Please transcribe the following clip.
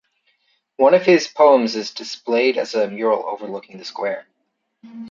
One of his poems is displayed as a mural overlooking the square.